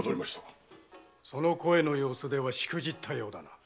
・その声の様子ではしくじったようだな。